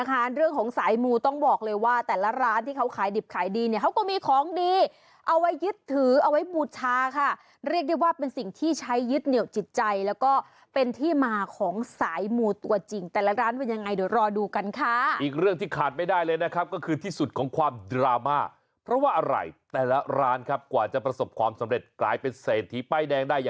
หาทางออกหาทางแก้ไขไม่ใช่หนีทันหลังให้กับปัญหาออกมาจากบ้านแบบนี้ครับ